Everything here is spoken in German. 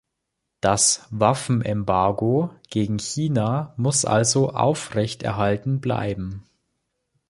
Das Waffenembargo gegen China muss also aufrechterhalten bleiben.